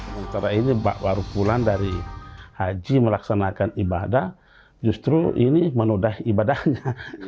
pada saat ini pak warupulan dari haji melaksanakan ibadah justru ini menodai ibadahnya